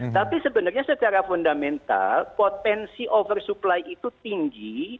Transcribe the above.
tapi sebenarnya secara fundamental potensi oversupply itu tinggi